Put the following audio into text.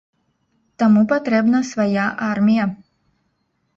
Таму патрэбна свая армія.